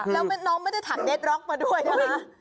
แล้วน้องไม่ได้ถังเด็ดล็อกมาด้วยนะคะ